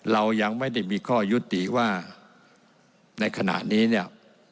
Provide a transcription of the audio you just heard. เรายังไม่ได้มีข้อยุติว่าในขณะนี้เนี่ย